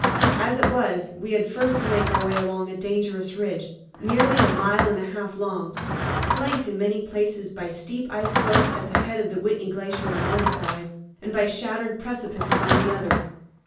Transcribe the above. As it was, we had first to make our way along a dangerous ridge nearly a mile and a half long, flanked in many places by steep ice slopes at the head of the Whitney Glacier on one side and by shattered precipices on the other.